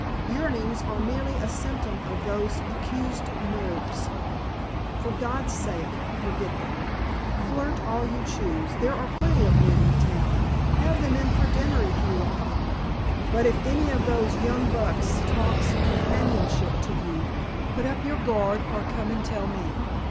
Yearnings are merely a symptom of those accursed nerves. For God's sake forget them. Flirt all you choose there are plenty of men in town; have them in for dinner if you like but if any of those young bucks talks companionship to you put up your guard or come and tell me.